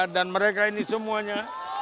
dan mereka ini semuanya